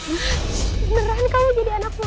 beneran kamu jadi anak mama